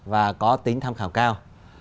và có tính tham khảo cao